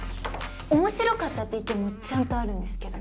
面白かったって意見もちゃんとあるんですけどね。